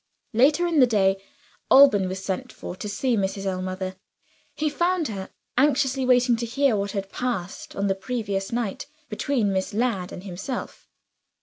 Later in the day, Alban was sent for to see Mrs. Ellmother. He found her anxiously waiting to hear what had passed, on the previous night, between Miss Ladd and himself.